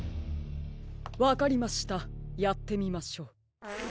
わかりましたやってみましょう。